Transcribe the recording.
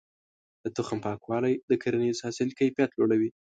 د تخم پاکوالی د کرنیز حاصل کيفيت لوړوي.